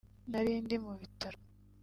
nari ndi mu bitaro